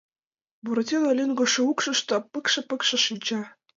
Буратино лӱҥгышӧ укшышто пыкше-пыкше шинча.